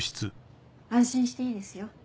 安心していいですよ